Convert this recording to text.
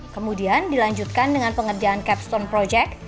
kemudian dilanjutkan dengan pengerjaan capstone project